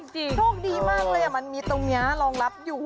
โชคดีมากเลยมันมีตรงนี้รองรับอยู่